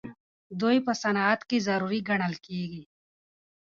دوی په صنعت کې ضروري ګڼل کیږي.